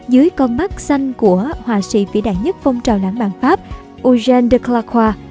dưới con mắt xanh của họa sĩ vĩ đại nhất phong trào lãng mạn pháp eugène de claquart